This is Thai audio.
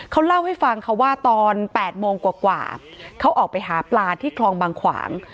เขาเล่าให้ฟังค่ะว่าตอน๘โมงกว่าเขาออกไปหาปลาที่คลองบางขวาง